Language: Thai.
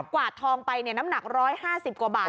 กวาดทองไปน่ำหนักร้อยห้าสิบกว่าบาท